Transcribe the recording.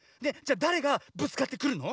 だれがぶつかってくるの？